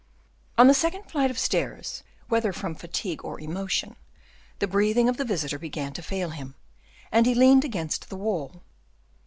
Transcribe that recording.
On the second flight of stairs, whether from fatigue or emotion, the breathing of the visitor began to fail him, and he leaned against the wall.